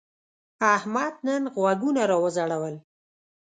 احمد نن غوږونه راوخوړل.